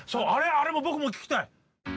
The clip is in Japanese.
あれも僕も聞きたい。